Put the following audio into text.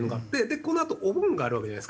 このあとお盆があるわけじゃないですか。